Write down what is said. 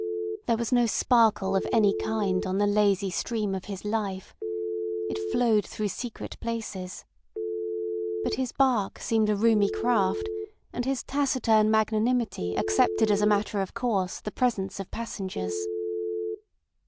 There was no sparkle of any kind on the lazy stream of his life. It flowed through secret places. But his barque seemed a roomy craft, and his taciturn magnanimity accepted as a matter of course the presence of passengers.